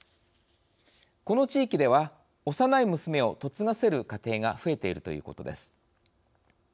この地域では幼い娘を嫁がせる家庭が増えているということです。